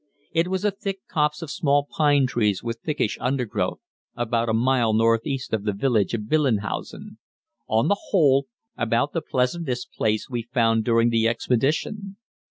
It was a thick copse of small pine trees with thickish undergrowth, about a mile northeast of the village of Billenhausen on the whole, about the pleasantest place we found during the expedition.